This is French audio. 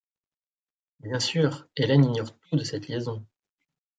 Bien sûr, Hélène ignore tout de cette liaison...